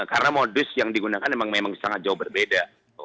karena modus yang digunakan memang sangat jauh berbeda